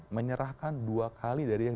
menyerahkan dua kali dari yang